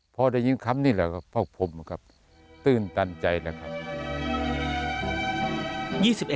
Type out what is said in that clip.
พอได้ยินคำนี่แหละก็ภูมิครับตื่นตันใจเลยครับ